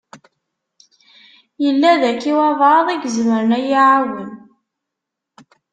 Yella daki walebɛaḍ i izemren ad yi-iɛawen?